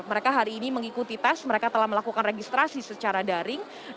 mereka hari ini mengikuti tes mereka telah melakukan registrasi secara daring